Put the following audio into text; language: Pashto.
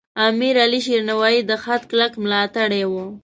امیر علیشیر نوایی د خط کلک ملاتړی و.